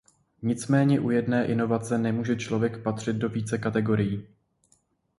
Nicméně u jedné inovace nemůže člověk patřit do více kategorií.